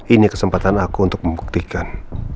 ini kesempatan aku untuk membuktikan